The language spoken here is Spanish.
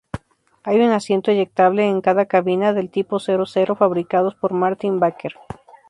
Hay un asiento eyectable en cada cabina, del tipo Zero-Zero fabricados por Martin-Baker.